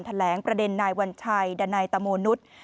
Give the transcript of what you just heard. แถลงประเด็นนายวัญชัยดันัยตะโมนุษย์